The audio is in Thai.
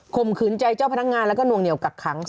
มขืนใจเจ้าพนักงานแล้วก็นวงเหนียวกักขัง